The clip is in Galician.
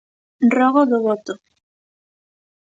Rogo do voto.